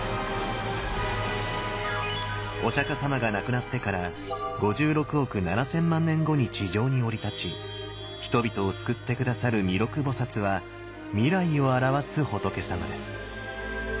お釈様が亡くなってから５６億７千万年後に地上に降り立ち人々を救って下さる弥勒菩は未来を表す仏さまです。